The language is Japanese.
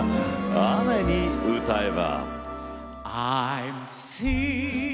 「雨に唄えば」。